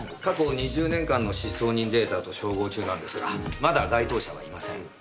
過去２０年間の失踪人データと照合中なんですがまだ該当者はいません。